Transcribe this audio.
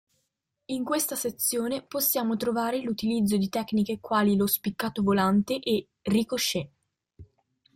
In questa sezione possiamo trovare l'utilizzo di tecniche quali lo "spiccato volante" e "ricochet".